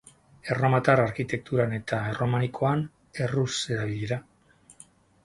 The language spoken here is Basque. Erromatar arkitekturan eta erromanikoan erruz erabili da.